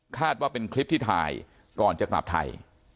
ว่าเป็นคลิปที่ถ่ายก่อนจะกลับไทย